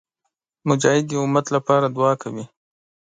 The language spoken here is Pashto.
مجاهد د امت لپاره دعا کوي.